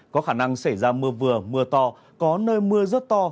có khả năng xảy ra mưa vừa mưa to có nơi mưa rất to